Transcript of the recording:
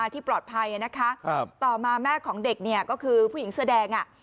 ที่ปลอดภัยนะคะต่อมาแม่ของเด็กเนี่ยก็คือผู้หญิงเสื้อแดง